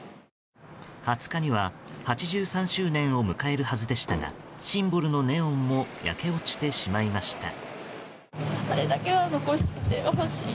２０日には８３周年を迎えるはずでしたがシンボルのネオンも焼け落ちてしまいました。